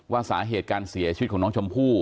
สาเหตุการเสียชีวิตของน้องชมพู่